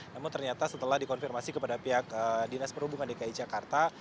namun ternyata setelah dikonfirmasi kepada pihak dinas perhubungan dki jakarta